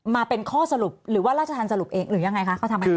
มาเป็นข้อสรุปหรือว่าราชทันสรุปเองหรือยังไงคะ